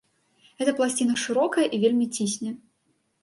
Гэтая пласціна шырокая і вельмі цісне.